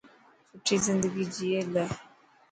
سٺي زندگي جئي لي.